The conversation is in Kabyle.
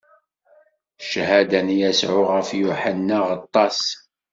Cchada n Yasuɛ ɣef Yuḥenna Aɣeṭṭaṣ.